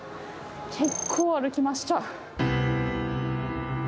結構歩きました。